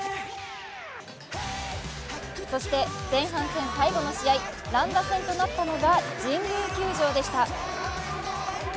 そして前半戦最後の試合、乱打戦となったのは神宮球場でした。